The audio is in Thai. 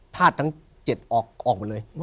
ถ้าดทั้ง๗ออกกว่าเลย